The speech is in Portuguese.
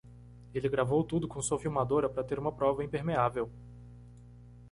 Ele gravou tudo com sua filmadora para ter uma prova impermeável.